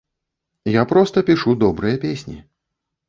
Я проста пішу добрыя песні.